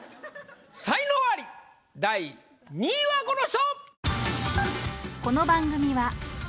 才能アリ第２位はこの人！